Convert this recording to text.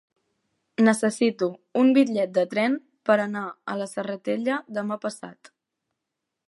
Necessito un bitllet de tren per anar a la Serratella demà passat.